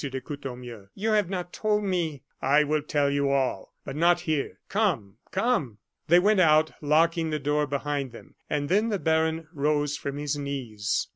de Courtornieu, "you have not told me " "I will tell you all, but not here. Come, come!" They went out, locking the door behind them; and then the baron rose from his knees.